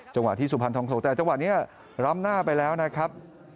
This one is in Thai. จังหวะที่สุพรรณทองโศกแต่จังหวะนี้ล้ำหน้าไปแล้วนะครับ